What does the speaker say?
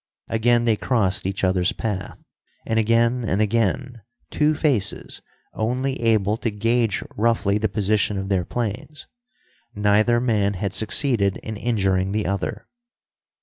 Again they crossed each other's path, and again and again, two faces, only able to gauge roughly the position of their planes. Neither man had succeeded in injuring the other.